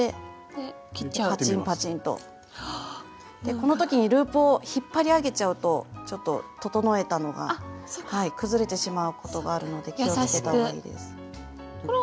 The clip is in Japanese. この時にループを引っ張り上げちゃうとちょっと整えたのが崩れてしまうことがあるので気をつけたほうがいいです。